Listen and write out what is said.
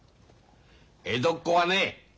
江戸っ子はね